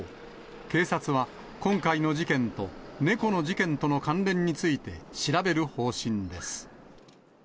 警察は、今回の事件と猫の事件との関連について、調べる方針です。